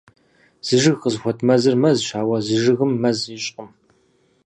Зы жыг къызыхуэт мэзыр — мэзщ. Ауэ зы жыгым мэз ищӀкъым.